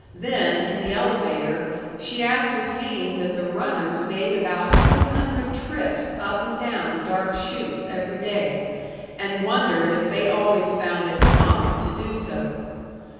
Then, in the elevator, she ascertained that the runners made about two hundred trips up and down the dark chutes every day, and wondered if they always found it comic to do so.